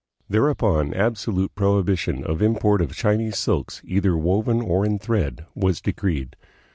There upon absolute prohibition of import of Chinese silks, either woven or in thread, was decreed.